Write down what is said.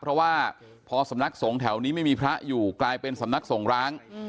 เพราะว่าพอสำนักสงฆ์แถวนี้ไม่มีพระอยู่กลายเป็นสำนักส่งร้าง